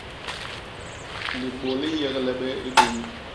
Libô li nyégle bé i bum.